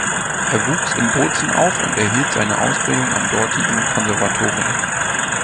Er wuchs in Bozen auf und erhielt seine Ausbildung am dortigen Konservatorium.